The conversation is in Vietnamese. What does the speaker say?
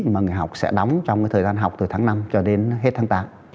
mà người học sẽ đóng trong thời gian học từ tháng năm cho đến hết tháng tám